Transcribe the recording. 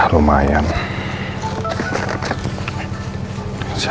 terima kasih saya permissya mas